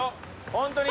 本当に。